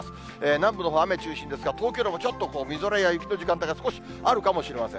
南部のほう雨中心ですが、東京でもちょっと雪やみぞれの降る時間が少しあるかもしれません。